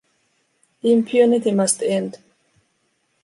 Impunity must end.